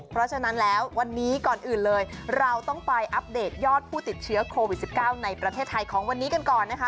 เพราะฉะนั้นแล้ววันนี้ก่อนอื่นเลยเราต้องไปอัปเดตยอดผู้ติดเชื้อโควิด๑๙ในประเทศไทยของวันนี้กันก่อนนะคะ